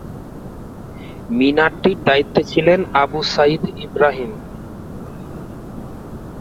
মিনারটির দায়িত্বে ছিলেন আবু সাঈদ ইব্রাহিম।